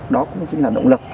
đó cũng chính là động lực